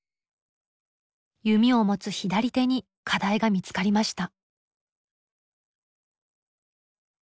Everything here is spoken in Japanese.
弓を持つ左手に課題が見つかりました。